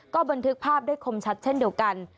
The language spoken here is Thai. ก็บันทึกภาพได้คมชัดเช่นเดียวกัน